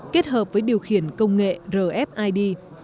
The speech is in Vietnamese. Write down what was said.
kết hợp với điều khiển công nghệ rfid